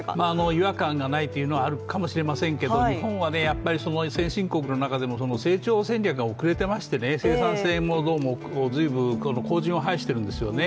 違和感がないというのは、あるかもしれませんけど日本はやっぱり先進国の中でも成長戦略が遅れていまして生産性もどうも随分後塵を拝してるんですよね。